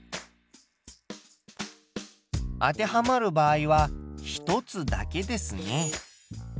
当てはまる場合は１つだけですね。